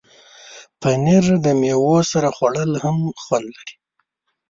پنېر د میوو سره خوړل هم خوند لري.